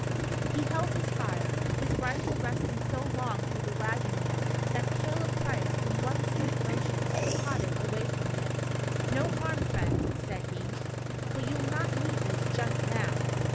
He held his fire, his rifle resting so long through the wagon wheel that Caleb Price in one swift motion caught it away from him. "No harm, friend," said he, "but you'll not need this just now!"